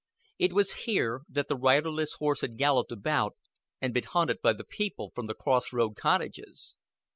It was here that the riderless horse had galloped about and been hunted by the people from the cross road cottages.